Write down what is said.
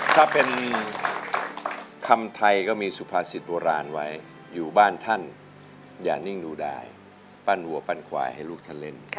ถ้าเป็นคำไทยก็มีสุภาษิตโบราณไว้อยู่บ้านท่านอย่านิ่งดูได้ปั้นวัวปั้นควายให้ลูกท่านเล่น